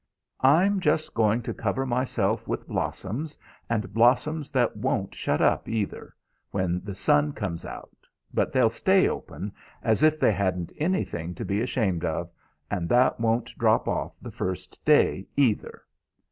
I'm just going to cover myself with blossoms; and blossoms that won't shut up, either, when the sun comes out, but 'll stay open, as if they hadn't anything to be ashamed of, and that won't drop off the first day, either.